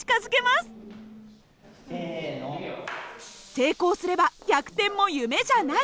成功すれば逆転も夢じゃない。